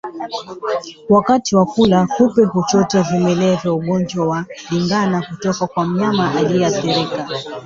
Wakati wa kula kupe huchota vimelea vya ugonjwa wa ndigana kutoka kwa mnyama aliyeathirika